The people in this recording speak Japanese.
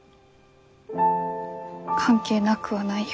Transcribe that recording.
関係なくはないよ。